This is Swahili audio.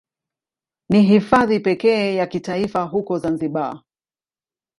Ni Hifadhi pekee ya kitaifa huko Zanzibar.